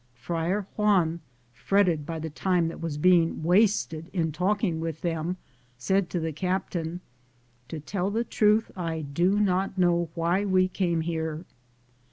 Friar Juan, fretted by the time that was being wasted in talking with them, said to the captain: "To tell the truth, I do not know why we came here."